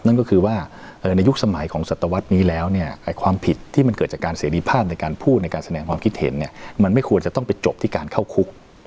นั่นก็คือว่าในยุคสมัยของศัตวรรษนี้แล้วเนี่ยความผิดที่มันเกิดจากการเสรีภาพในการพูดในการแสดงความคิดเห็นเนี่ยมันไม่ควรจะต้องไปจบที่การเข้าคุก